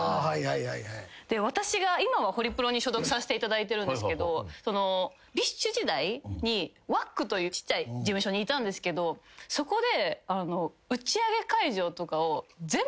私が今はホリプロに所属させていただいてるんですけどＢｉＳＨ時代にＷＡＣＫというちっちゃい事務所にいたんですけどそこで。